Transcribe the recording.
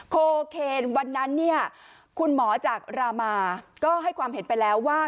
โคเคนวันนั้นเนี่ยคุณหมอจากรามาก็ให้ความเห็นไปแล้วว่า